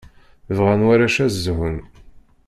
Bɣan warrac ad zhun.